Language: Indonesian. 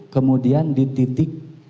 kemudian di titik